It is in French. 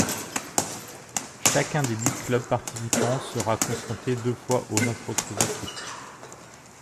Chacun des dix clubs participant sera confronté deux fois aux neuf autres équipes.